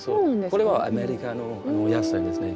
これはアメリカのお野菜ですね。